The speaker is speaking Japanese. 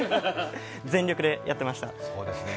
全力でやってました。